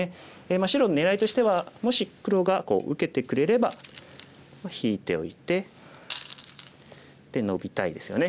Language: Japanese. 白のねらいとしてはもし黒が受けてくれれば引いておいてノビたいですよね。